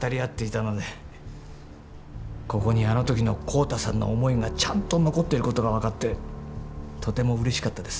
ここにあの時の浩太さんの思いがちゃんと残っていることが分かってとてもうれしかったです。